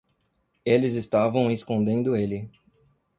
Eles estavam escondendo ele.